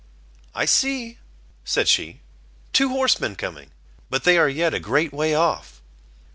"I see," said she, "two horsemen coming, but they are yet a great way off."